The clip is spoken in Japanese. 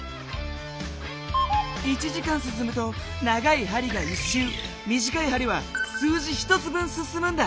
１時間すすむと長いはりが１しゅう短いはりは数字１つ分すすむんだ。